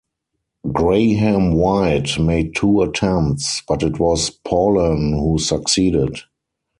Grahame-White made two attempts, but it was Paulhan who succeeded.